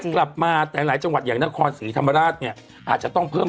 กลับมาแต่หลายจังหวัดอย่างนครศรีธรรมราชเนี่ยอาจจะต้องเพิ่ม